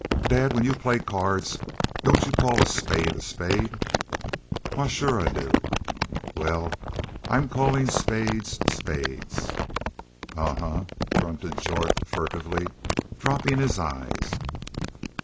"Dad, when y'u play cards don't y'u call a spade a spade?" "Why, shore I do." "Well, I'm calling spades spades." "Ahuh!" grunted Jorth, furtively dropping his eyes.